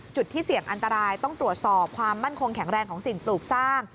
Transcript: จุดที่เสี่ยงอันตรายต้องตรวจสอบความมั่นคงแข็งแรงของสิ่งปลูกสร้าง